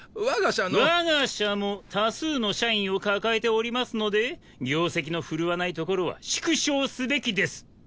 我が社も多数の社員を抱えておりますので業績の振るわないところは縮小すべきです！